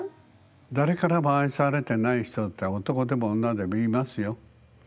誰からも愛されてない人って男でも女でもいますよ。